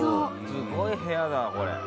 「すごい部屋だこれ」